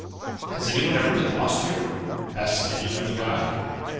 "Has any one ever been lost here?" asked Kenyon of the guide.